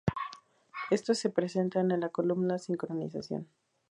Estos se presentan en la columna "sincronización".